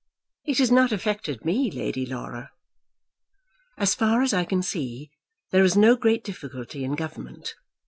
"It has not affected me, Lady Laura." "As far as I can see, there is no great difficulty in government.